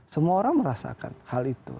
semua orang merasakan hal itu